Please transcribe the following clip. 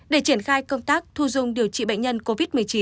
để triển khai công tác thu dung điều trị bệnh nhân covid một mươi chín